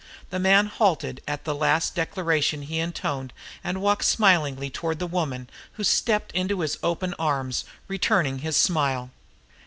The Man halted at the last declaration he intoned and walked smilingly toward the woman who stepped into his open arms returning his smile.